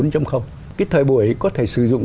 cái thời buổi ấy có thể sử dụng